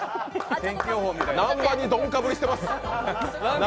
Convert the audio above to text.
南波にドンかぶりしてます。